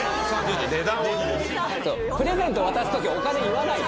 プレゼント渡すときお金言わない。